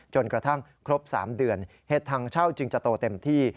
จนกระทั่งครบ๓เดือนเห็ดทางเช่าจึงจะโตเต็มที่